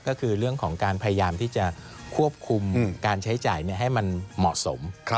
ก็คือเรื่องของการพยายามที่จะควบคุมการใช้จ่ายให้มันเหมาะสม